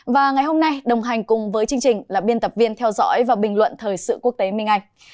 và ngày hôm nay đồng hành cùng với chương trình là biên tập viên theo dõi và bình luận thời sự quốc tế minh anh